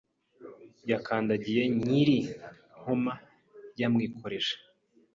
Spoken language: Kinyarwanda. Yakandagiye Nyiri i Nkoma Yamwikoreje